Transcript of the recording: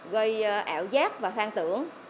gây ảo giác và hoang tưởng